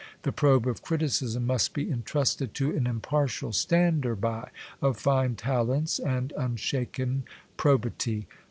The probe of criticism must be intrusted to an impartial stander by, of fine talents and unshaken probity.